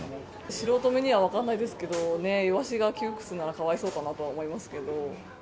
素人目には分かんないですけどね、イワシが窮屈ならかわいそうかなと思いますけど。